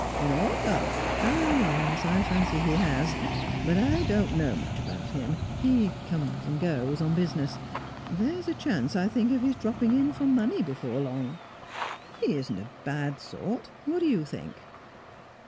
"In Olga? Yes, I fancy he has, but I don't know much about him. He comes and goes, on business. There's a chance, I think, of his dropping in for money before long. He isn't a bad sort what do you think?"